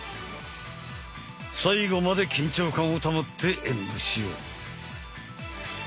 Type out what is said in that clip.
最後まで緊張感を保って演武しよう。